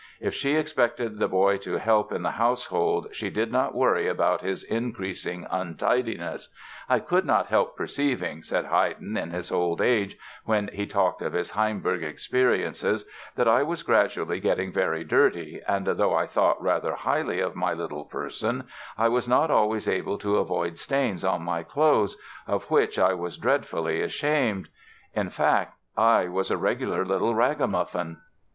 If she expected the boy to help in the household she did not worry about his increasing untidiness. "I could not help perceiving", said Haydn in his old age when he talked of his Hainburg experiences "that I was gradually getting very dirty, and though I thought rather highly of my little person, I was not always able to avoid stains on my clothes—of which I was dreadfully ashamed; in fact I was a regular little ragamuffin!"